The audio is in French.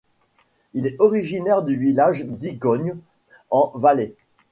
Il est originaire du village d'Icogne, en Valais.